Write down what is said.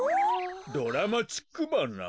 ドラマチックばな？